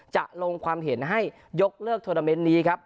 จะลงความเห็นให้ยกเลิกโทรนาเมนต์นี้ครับ